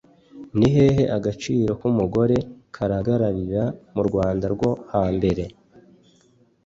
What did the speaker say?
Ni hehe agaciro k’umugore kagaragarira mu Rwanda rwo hambere?